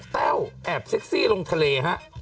แต้วแอบเซ็กซี่ลงทะเลฮะ